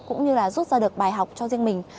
cũng như là rút ra được bài học cho riêng mình